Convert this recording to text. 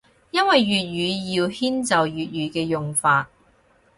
因為粵語要遷就粵語嘅用法